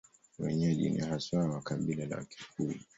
Wenyeji ni haswa wa kabila la Wakikuyu.